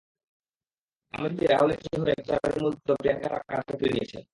আমেথিতে রাহুলের হয়ে প্রচারের মূল দায়িত্ব প্রিয়াঙ্কা তাঁর কাঁধে তুলে নিয়েছেন।